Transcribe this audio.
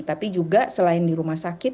tapi juga selain di rumah sakit